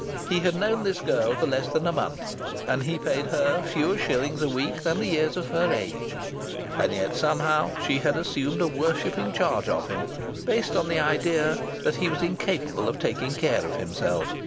He had known this girl for less than a month, and he paid her fewer shillings a week than the years of her age and yet somehow she had assumed a worshipping charge of him, based on the idea that he was incapable of taking care of himself.